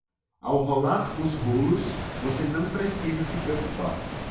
Ao rolar os rolos, você não precisa se preocupar.